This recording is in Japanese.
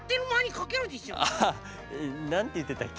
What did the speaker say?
なんていってたっけ？